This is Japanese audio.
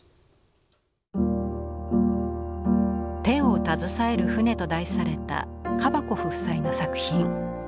「手をたずさえる船」と題されたカバコフ夫妻の作品。